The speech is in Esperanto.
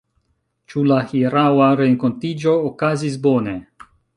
Ĉu la hieraŭa renkontiĝo okazis bone?